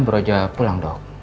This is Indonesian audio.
beroja pulang dok